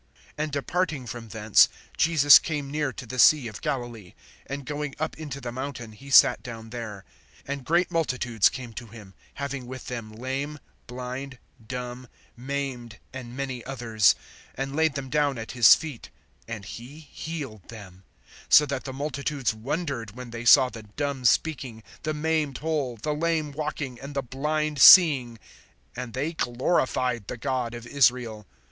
(29)And departing from thence, Jesus came near to the sea of Galilee; and going up into the mountain, he sat down there. (30)And great multitudes came to him, having with them lame, blind dumb, maimed, and many others, and laid them down at his feet, and he healed them; (31)so that the multitudes wondered, when they saw the dumb speaking, the maimed whole, the lame walking, and the blind seeing; and they glorified the God of Israel.